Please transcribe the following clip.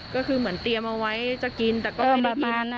ก็คือเหมือนเตรียมเอาไว้จะกินแต่ก็ไม่ได้กิน